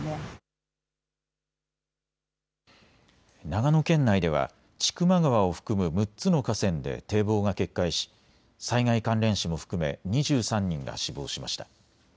長野県内では千曲川を含む６つの河川で堤防が決壊し災害関連死も含め２３人が死亡しました。